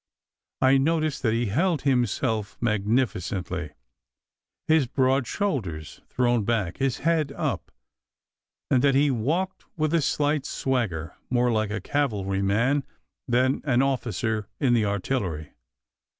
I noticed that he held himself magnificently, his broad shoulders thrown back, his head up; and that he walked with a slight swagger, more like a cavalryman than an officer in the artillery.